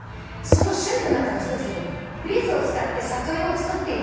「その趣味の中の一つにビーズを使って作品を作っています」